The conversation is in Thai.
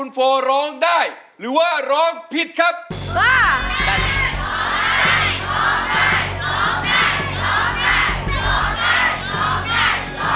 น้องพ่อสิให้นำบอก